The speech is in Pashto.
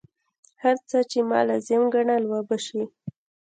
هر څه چې ما لازم ګڼل وبه شي.